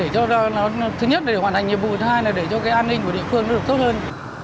thứ nhất là để hoàn thành nhiệm vụ thứ hai là để cho an ninh của địa phương tốt hơn